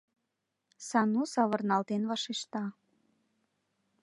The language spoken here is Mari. — Сану савырналтен вашешта.